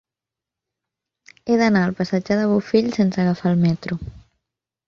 He d'anar al passatge de Bofill sense agafar el metro.